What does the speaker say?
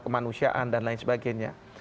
kemanusiaan dan lain sebagainya